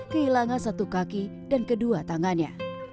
kehilangan satu kaki dan kedua tangannya